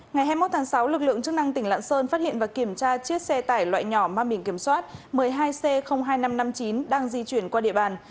ngày hai mươi một tháng sáu lực lượng chức năng tỉnh lạng sơn phát hiện và kiểm tra chiếc xe tải loại nhỏ mang biển kiểm soát một mươi hai c hai nghìn năm trăm năm mươi chín đang di chuyển qua địa bàn